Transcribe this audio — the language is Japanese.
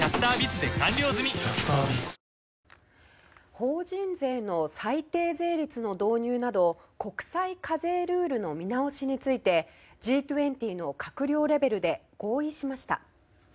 法人税の最低税率の導入など国際課税ルールの見直しについてＧ２０の閣僚レベルで合意しました。